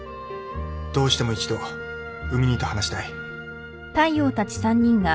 どうしても一度海兄と話したい。